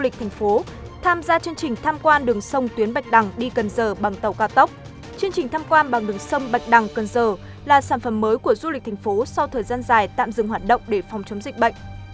chương trình tham quan bằng đường sông bạch đằng cần giờ là sản phẩm mới của du lịch thành phố sau thời gian dài tạm dừng hoạt động để phòng chống dịch bệnh